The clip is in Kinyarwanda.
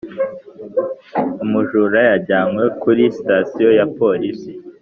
umujura yajyanywe kuri sitasiyo ya polisi.